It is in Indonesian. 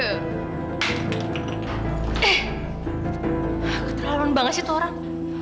eh ketelaron banget sih tuh orang